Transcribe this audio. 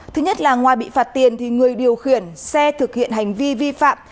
thứ nhất là ngoài bị phạt tiền thì người điều khiển xe thực hiện hành vi vi phạm